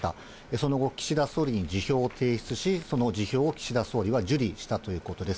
その後、岸田総理に辞表を提出し、その辞表を岸田総理は受理したということです。